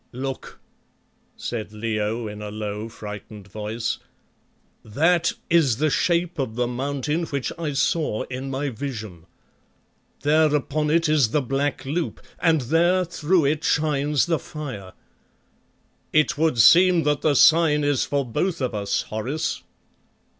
"Look," said Leo in a low, frightened voice, "that is the shape of the mountain which I saw in my vision. There upon it is the black loop, and there through it shines the fire. _It would seem that the sign is for both of us, Horace.